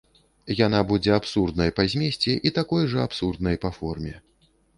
Яна будзе абсурднай па змесце і такой жа абсурднай па форме.